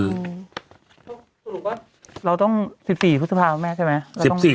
สรุปว่าเราต้อง๑๔พฤษภาคุณแม่ใช่ไหม